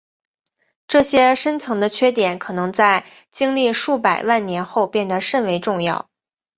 这些深层的缺点可能在经历数百万年后变得甚为重要。